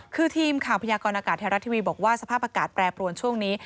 คือทีมข่าวพยากรณากาศไทยรัฐทีวีบอกว่าสภาพอากาศแปรปรวนช่วงนี้